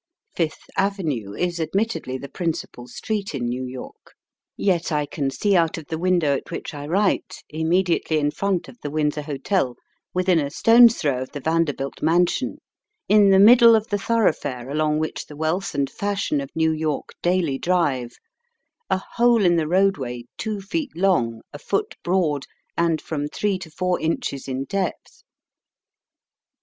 Fifth Avenue is ad mittedly the principal street in New York. Yet I can see out of the window at which I write — immediately in front of the Windsor Hotel, within a stone's throw of the Vander bilt mansion, in the middle of the thorough fare along which the wealth and fashion of New York daily drive — a hole in the roadway two feet long, a foot broad, and from three to four inches in depth.